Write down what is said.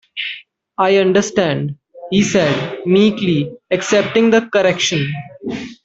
"I understand," he said, meekly accepting the correction.